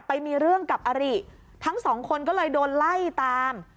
ไปมีเรื่องกับอริทั้งสองคนก็เลยโดนไล่ตาม